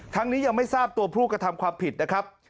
ยังไม่ทราบตัวผู้กระทำความผิดนะครับ